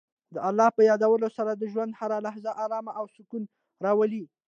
د الله په یادولو سره د ژوند هره لحظه ارامۍ او سکون راولي.